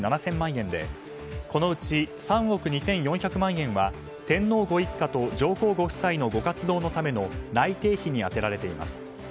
円でこのうち３億２４００万円は天皇ご一家と上皇ご夫妻のご活動のための内廷費に充てられています。